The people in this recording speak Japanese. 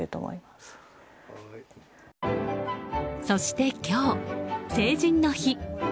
そして今日、成人の日。